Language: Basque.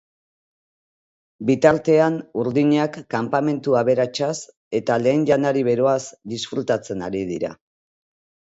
Bitartean, urdinak kanpamentu aberatsaz eta lehen janari beroaz disfrutatzen ari dira.